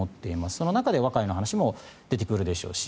その中で和解の話も出てくるでしょうし